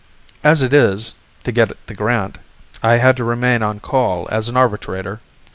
As it is, to get the grant, I had to remain on call as an arbitrator."